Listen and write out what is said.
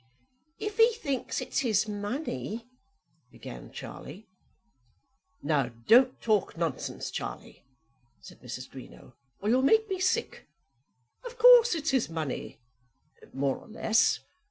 "If he thinks it's his money " began Charlie. "Now, don't talk nonsense, Charlie," said Mrs. Greenow, "or you'll make me sick. Of course it's his money, more or less.